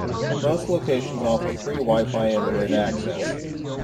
Most locations offer free Wi-Fi internet access.